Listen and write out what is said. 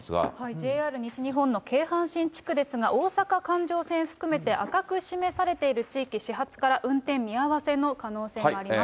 ＪＲ西日本の京阪神地区ですが、大阪環状線含めて、赤く示されている地域、始発から運転見合わせの可能性もあります。